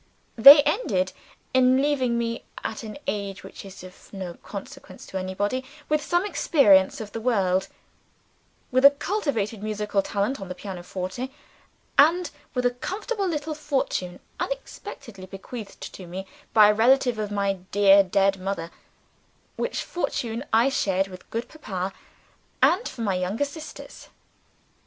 They ended in leaving me (at an age which is of no consequence to anybody) with some experience of the world; with a cultivated musical talent on the pianoforte; and with a comfortable little fortune unexpectedly bequeathed to me by a relative of my dear dead mother (which fortune I shared with good Papa and with my younger sisters).